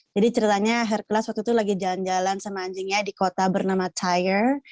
jadi ceritanya hercules waktu itu lagi jalan jalan sama anjingnya di kota bernama tyre